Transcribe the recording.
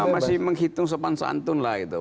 masih menghitung sopan santun lah itu